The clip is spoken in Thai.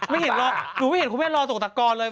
ไม่เห็นหรอกหนูไม่เห็นคุณแม่รอตกตะกอนเลย